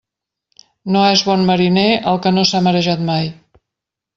No és bon mariner el que no s'ha marejat mai.